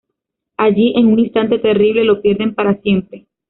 Allí, en un instante terrible, lo pierden para siempre.